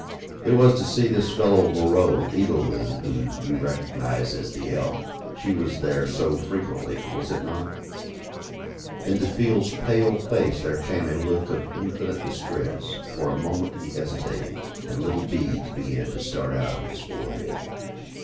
It was to see this fellow, Moreau Eagle Wing whom you recognized at the Elk, she was there so frequently was it not?" Into Field's pale face there had come a look of infinite distress. For a moment he hesitated, and little beads began to start out on his forehead.